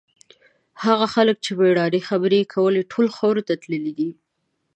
هغه خلک چې د مېړانې خبرې یې کولې، ټول خاورو ته تللي دي.